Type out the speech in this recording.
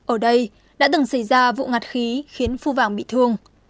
ở đây đã từng xảy ra vụ ngặt khí khiến phu vàng bị thương